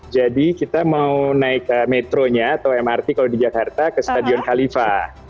jadi kita mau naik metronya atau mrt kalau di jakarta ke stadion khalifa